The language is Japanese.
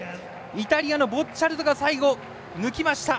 イタリアのボッチャルドが最後抜きました。